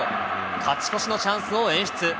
勝ち越しのチャンスを演出。